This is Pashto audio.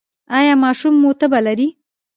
ایا ماشوم مو تبه لري؟